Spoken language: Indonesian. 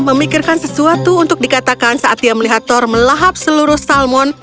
memikirkan sesuatu untuk dikatakan saat dia melihat thor melahap seluruh salmon